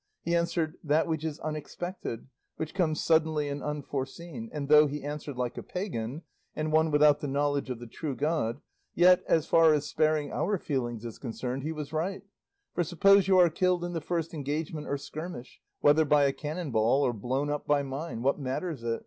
He answered, that which is unexpected, which comes suddenly and unforeseen; and though he answered like a pagan, and one without the knowledge of the true God, yet, as far as sparing our feelings is concerned, he was right; for suppose you are killed in the first engagement or skirmish, whether by a cannon ball or blown up by mine, what matters it?